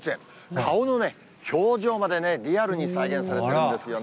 顔の表情までリアルに再現されているんですよね。